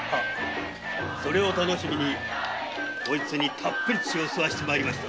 それを楽しみにこれにタップリ血を吸わせて参りました。